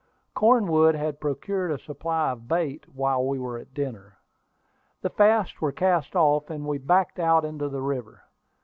Cornwood had procured a supply of bait while we were at dinner. The fasts were cast off, and we backed out into the river.